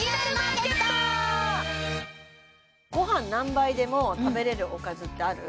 ごはん何杯でも食べれるおかずってある？